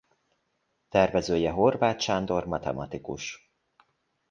Tervezője Horváth Sándor matematikus.